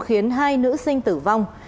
khiến hai nữ sinh tử vong